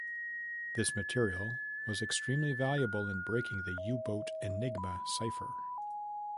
This material was extremely valuable in breaking the U-boat Enigma cipher.